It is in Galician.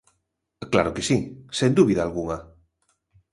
Claro que si, sen dúbida algunha.